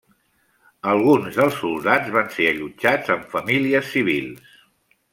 Alguns dels soldats van ser allotjats amb famílies civils.